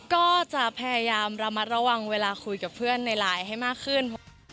ก็จะพยายามระมัดระวังเวลาคุยกับเพื่อนในไลน์ให้มากขึ้น